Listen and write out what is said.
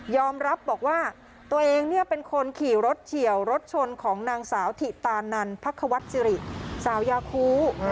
รับบอกว่าตัวเองเป็นคนขี่รถเฉียวรถชนของนางสาวถิตานันพักควัตรสิริสาวยาคู